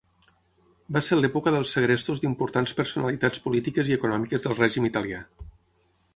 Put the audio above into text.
Va ser l'època dels segrestos d'importants personalitats polítiques i econòmiques del règim italià.